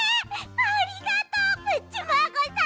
ありがとうプッチマーゴさん！